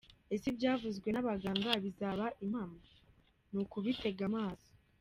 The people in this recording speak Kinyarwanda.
Ese ibyavuzwe n'abahanga bizaba impamo? Ni ukubitega amaso.